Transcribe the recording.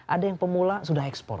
ada yang pemula sudah ekspor